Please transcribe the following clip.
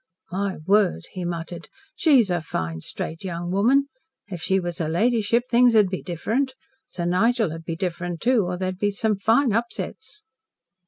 "My word," he muttered. "She's a fine, straight young woman. If she was her ladyship things 'ud be different. Sir Nigel 'ud be different, too or there'd be some fine upsets."